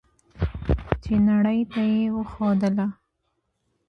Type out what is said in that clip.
چې نړۍ ته یې وښودله.